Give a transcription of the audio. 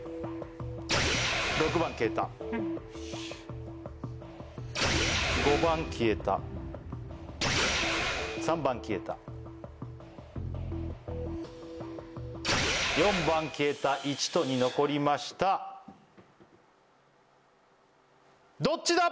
６番消えた５番消えた３番消えた４番消えた１と２残りましたどっちだ！？